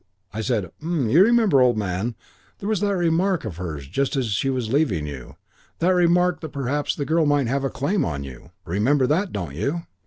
I said, 'H'm, you remember, old man, there was that remark of hers just as she was leaving you that remark that perhaps the girl might have a claim on you. Remember that, don't you?'